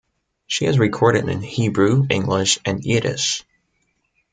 She has recorded in Hebrew, English and Yiddish.